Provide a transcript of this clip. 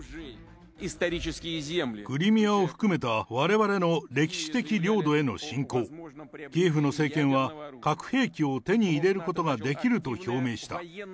クリミアを含めたわれわれの歴史的領土への侵攻、キエフの政権は核兵器を手に入れることができると表明した。